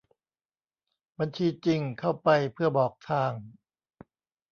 บัญชีจริง เข้าไป เพื่อบอกทาง